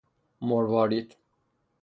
مروارید